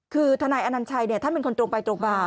คือทนายอนัญชัยท่านเป็นคนตรงไปตรงมา